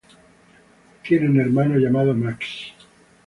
Tiene un hermano llamado Max.